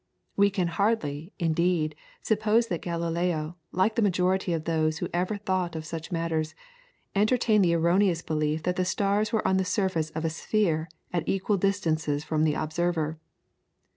We can hardly, indeed, suppose that Galileo, like the majority of those who ever thought of such matters, entertained the erroneous belief that the stars were on the surface of a sphere at equal distances from the observer.